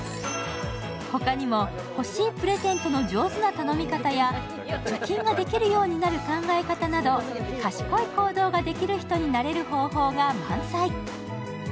他にも、欲しいプレゼントの上手な頼み方や貯金ができるようになる考え方など賢い行動ができる人になる方法が満載。